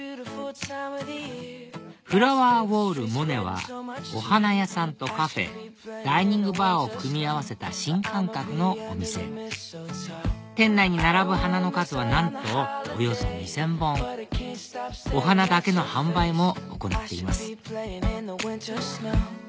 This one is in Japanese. ＦＬＯＷＥＲＷＡＬＬＭＯＮＥはお花屋さんとカフェダイニングバーを組み合わせた新感覚のお店店内に並ぶ花の数はなんとおよそ２０００本お花だけの販売も行っています